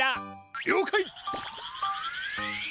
りょうかい！